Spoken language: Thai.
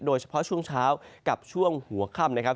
โดยเฉพาะช่วงเช้ากับช่วงหัวค่ำนะครับ